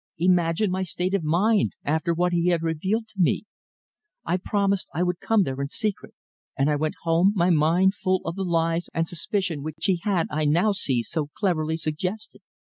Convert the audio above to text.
Imagine my state of mind after what he had revealed to me. I promised I would come there in secret, and I went home, my mind full of the lies and suspicion which he had, I now see, so cleverly suggested.